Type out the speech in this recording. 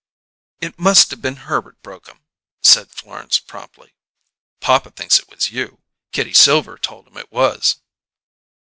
"It must have been Herbert broke 'em," said Florence promptly. "Papa thinks it was you. Kitty Silver told him it was."